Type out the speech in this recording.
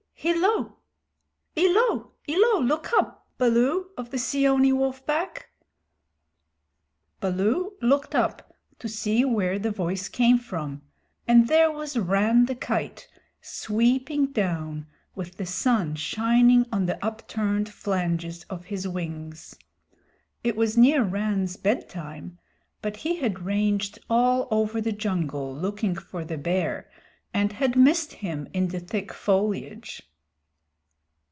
Hillo! Illo! Illo, look up, Baloo of the Seeonee Wolf Pack!" Baloo looked up to see where the voice came from, and there was Rann the Kite, sweeping down with the sun shining on the upturned flanges of his wings. It was near Rann's bedtime, but he had ranged all over the jungle looking for the Bear and had missed him in the thick foliage.